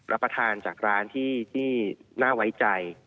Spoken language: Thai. รับประทานจากร้านที่น่าไว้ใจ